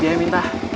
dia yang minta